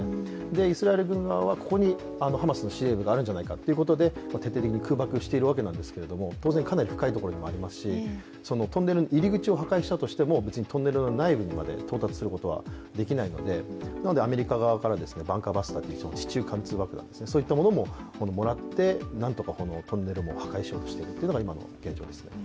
イスラエル軍はここにハマスの司令部があるんじゃないかということで徹底的に空爆しているんですけれども当然かなり深いところにもありますし、トンネルの入り口を破壊したとしても別にトンネル内部まで到達することはできないので、アメリカ側からバンカーバスターなどの地中貫通爆弾ももらってなんとかトンネルを破壊しようとしているのが今の状況です。